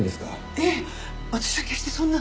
いえ私は決してそんな。